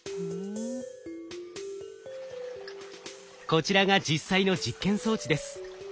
こちらが実際の実験装置です。